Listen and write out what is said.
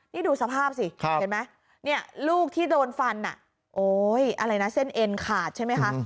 นี่ดูสภาพสิเห็นไหมเนี่ยลูกที่โดนฟันโอ๊ยอะไรนะเส้นเอ็นขาดใช่ไหมคะ